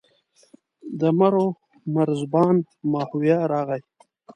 د مرو مرزبان ماهویه راغی.